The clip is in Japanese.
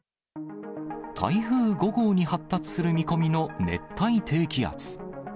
台風５号に発達する見込みの熱帯低気圧。